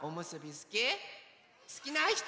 すきなひと！